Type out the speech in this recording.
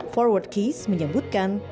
forward keys menyebutkan